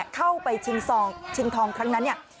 เข้าไปชิงทองครั้งนั้นเนี่ย